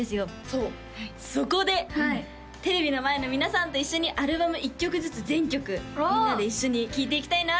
そうそこでテレビの前の皆さんと一緒にアルバム１曲ずつ全曲みんなで一緒に聴いていきたいなと思ってます